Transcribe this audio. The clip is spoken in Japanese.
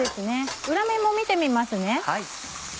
裏面も見てみますね。